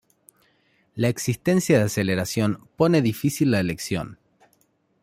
La existencia de aceleración pone difícil la elección.